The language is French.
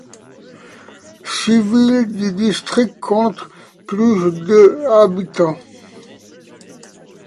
Six villes du district comptent plus de habitants.